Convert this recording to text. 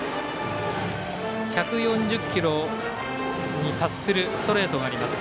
１４０キロに達するストレートがあります。